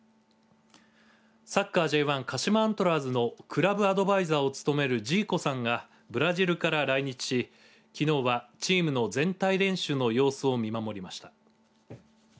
サッカーＪ１、鹿島アントラーズのクラブアドバイザーを務めるジーコさんがブラジルから来日しきのうはチームの全体練習の様子を見守りました。